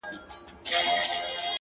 و تاته چا زما غلط تعريف کړی و خدايه